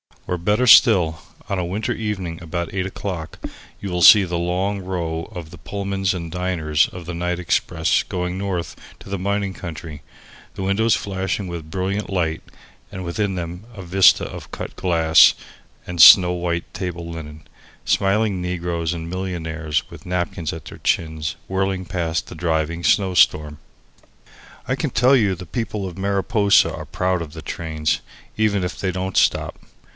Or, better still, on a winter evening about eight o'clock you will see the long row of the Pullmans and diners of the night express going north to the mining country, the windows flashing with brilliant light, and within them a vista of cut glass and snow white table linen, smiling negroes and millionaires with napkins at their chins whirling past in the driving snowstorm. I can tell you the people of Mariposa are proud of the trains, even if they don't stop!